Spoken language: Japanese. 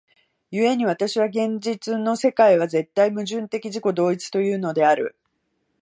故に私は現実の世界は絶対矛盾的自己同一というのである。